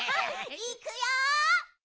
いくよ！